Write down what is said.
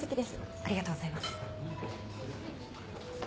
ありがとうございます。